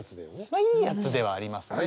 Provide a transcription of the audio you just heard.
まあいいやつではありますね。